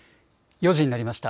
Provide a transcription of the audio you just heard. ４時になりました。